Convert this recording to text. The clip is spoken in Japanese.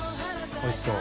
おいしそう。